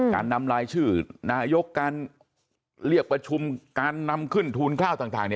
การนำรายชื่อนายกการเรียกประชุมการนำขึ้นทูลข้าวต่าง